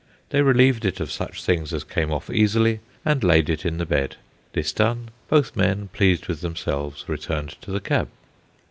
They relieved it of such things as came off easily, and laid it in the bed. This done, both men, pleased with themselves, returned to the cab.